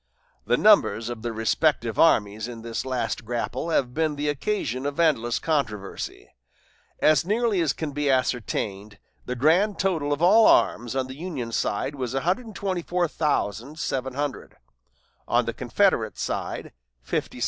The numbers of the respective armies in this last grapple have been the occasion of endless controversy. As nearly as can be ascertained, the grand total of all arms on the Union side was 124,700; on the Confederate side, 57,000.